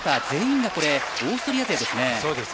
全員がオーストリア勢ですね。